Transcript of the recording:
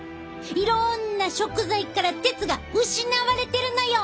いろんな食材から鉄が失われてるのよ！